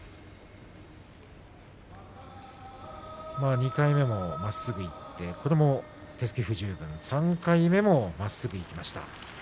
２回目もまっすぐいってこれも手つき不十分、３回目もまっすぐいきました。